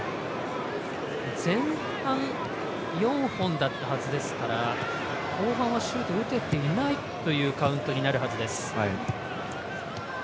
前半４本だったはずですから後半はシュート打てていないというカウントになるはずです。